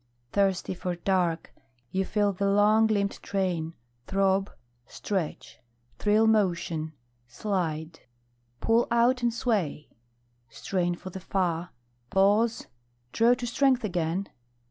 Thirsty for dark, you feel the long limbed train Throb, stretch, thrill motion, slide, pull out and sway, Strain for the far, pause, draw to strength again.